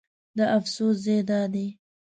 د افسوس ځای دا دی.